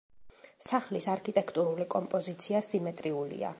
სახლის არქიტექტურული კომპოზიცია სიმეტრიულია.